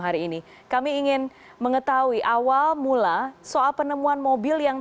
pak adi selamat malam